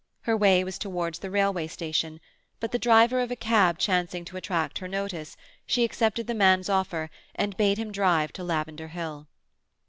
Her way was towards the railway station, but the driver of a cab chancing to attract her notice, she accepted the man's offer, and bade him drive to Lavender Hill.